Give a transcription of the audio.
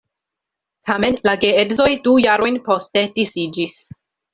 Tamen la geedzoj du jarojn poste disiĝis.